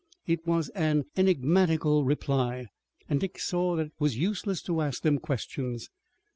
It was an enigmatical reply, and Dick saw that it was useless to ask them questions.